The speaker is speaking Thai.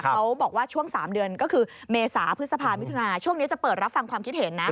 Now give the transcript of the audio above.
เขาบอกว่าช่วง๓เดือนก็คือเมษาพฤษภามิถุนาช่วงนี้จะเปิดรับฟังความคิดเห็นนะ